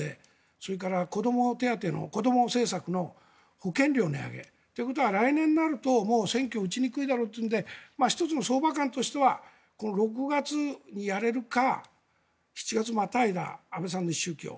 それから子ども政策の保険料の値上げ。ということは来年になると選挙打ちにくいだろうということで１つの相場観としては６月にやれるか７月をまたいだ安倍さんの一周忌を。